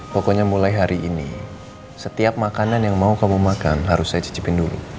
pokoknya mulai hari ini setiap makanan yang mau kamu makan harus saya cicipin dulu